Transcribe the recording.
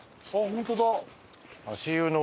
ホントだ。